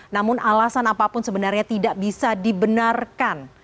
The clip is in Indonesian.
namun alasan apapun sebenarnya tidak bisa dibenarkan